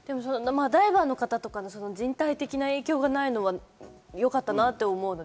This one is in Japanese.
ダイバーの方とか、人体的影響がないのはよかったなと思います。